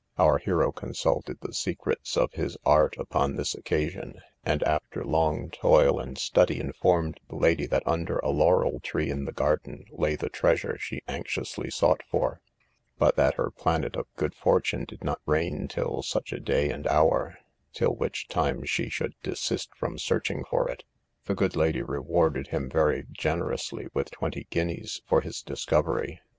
Our hero consulted the secrets of his art upon this occasion, and after long toil and study informed the lady, that under a laurel tree in the garden lay the treasure she anxiously sought for; but that her planet of good fortune did not reign till such a day and hour, till which time she should desist from searching for it; the good lady rewarded him very generously with twenty guineas for his discovery.